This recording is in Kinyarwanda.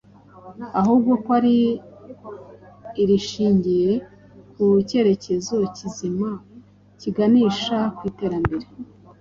Ahubwo ko ari irishingiye ku kerekezo kizima kiganisha ku iterambere;